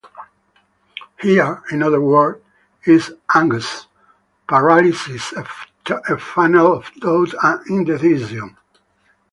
Here, in other words, is Angst, paralysis, a funnel of doubt and indecision.